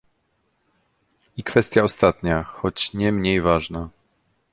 I kwestia ostatnia, choć nie mniej ważna